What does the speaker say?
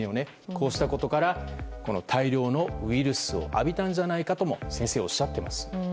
こうしたことから大量のウイルスを浴びたんじゃないかとも先生はおっしゃっています。